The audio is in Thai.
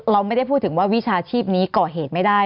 เราไม่ได้พูดถึงว่าวิชาชีพนี้ก่อเหตุไม่ได้